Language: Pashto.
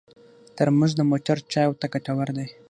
ترموز د موټر چایو ته ګټور دی.